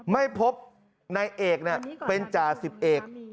ไม่พบนายเอกเป็นจ่าสิบเอก